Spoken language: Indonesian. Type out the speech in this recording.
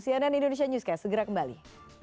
cnn indonesia newscast segera kembali